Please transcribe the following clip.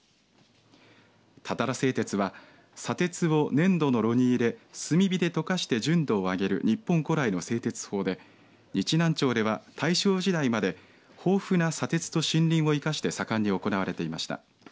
たたら製鉄は砂鉄を粘土の炉に入れ炭火で解かして純度を上げる日本古来の製鉄法で日南町では大正時代まで豊富な砂鉄と森林を生かして盛んに行われていました。